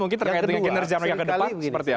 mungkin terkait dengan kinerja mereka ke depan seperti apa